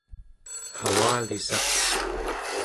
avalissaq